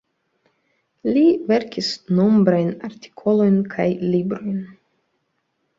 Li verkis nombrajn artikolojn kaj librojn.